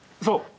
そう！